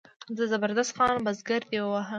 د زبردست خان بزګر دی وواهه.